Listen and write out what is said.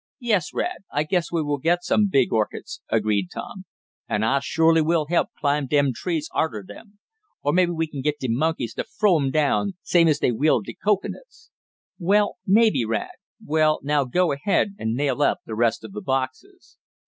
"Yes, Rad, I guess we will get some big orchids," agreed Tom. "An' I shorely will help climb de trees arter 'em. Or maybe we kin git de monkeys to frow em down, same as dey will de cocoanuts." "Maybe, Rad. Well, now go ahead and nail up the rest of these boxes.